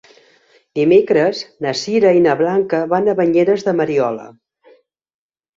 Dimecres na Sira i na Blanca van a Banyeres de Mariola.